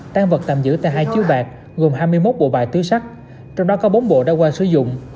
tang vật tạm giữ tại hai chiếu bạc gồm hai mươi một bộ bài tưới sắt trong đó có bốn bộ đã qua sử dụng